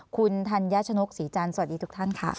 คุณธัญชนกศรีจันทร์สวัสดีทุกท่านค่ะ